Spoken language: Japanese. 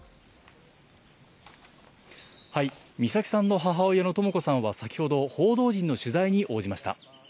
美咲さんの母親のとも子さんは先ほど報道陣の取材に応じました。